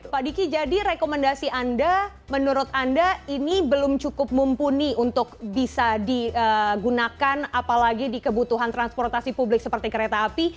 pak diki jadi rekomendasi anda menurut anda ini belum cukup mumpuni untuk bisa digunakan apalagi di kebutuhan transportasi publik seperti kereta api